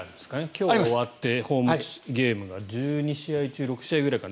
今日が終わってホームゲームが１２試合中６試合くらいかな？